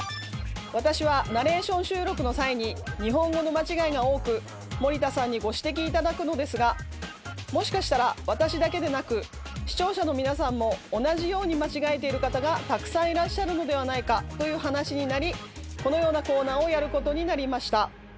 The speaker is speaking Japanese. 私はナレーション収録の際に日本語の間違いが多く森田さんにご指摘頂くのですがもしかしたら私だけでなく視聴者の皆さんも同じように間違えている方がたくさんいらっしゃるのではないかという話になりこのようなコーナーをやることになりました。